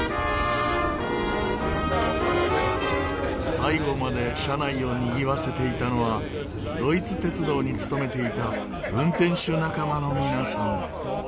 最後まで車内をにぎわせていたのはドイツ鉄道に勤めていた運転手仲間の皆さん。